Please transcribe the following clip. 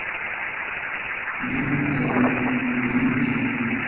Mana chayma rinichu.